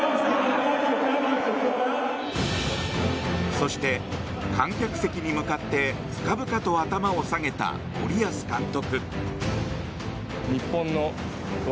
そして観客席に向かって深々と頭を下げた森保監督。